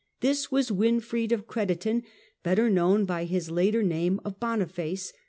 This was Winfried of Crediton, better known by his later name of Boniface.